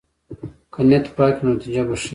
که نیت پاک وي، نو نتیجه به ښه وي.